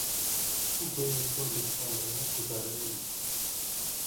بُوئی بو دِش بانیۡ ہِلاک گُزارہ کرہ ہوش